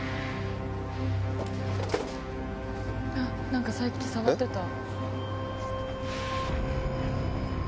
何かさっき触ってた。